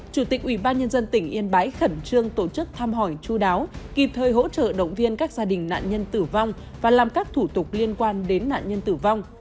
chủ tịch ubnd tỉnh yên bái khẩn trương tổ chức thăm hỏi chú đáo kịp thời hỗ trợ động viên các gia đình nạn nhân tử vong và làm các thủ tục liên quan đến nạn nhân tử vong